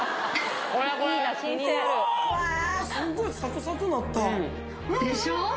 すごいサクサクなった・でしょう？